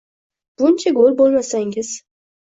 Buncha go`l bo`lmasangiz